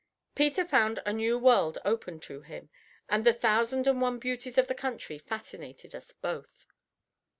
Peter found a new world opened to him, and the thousand and one beauties of the country fascinated us both.